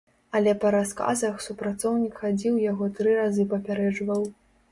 Але па расказах, супрацоўнік хадзіў яго тры разы папярэджваў.